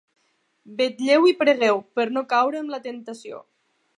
Vetlleu i pregueu, per no caure en la temptació.